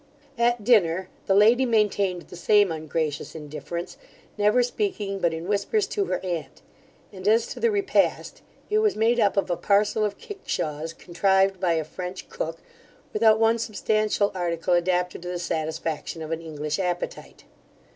At dinner, the lady maintained the same ungracious indifference, never speaking but in whispers to her aunt; and as to the repast, it was made up of a parcel of kickshaws, contrived by a French cook, without one substantial article adapted to the satisfaction of an English appetite.